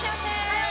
はい！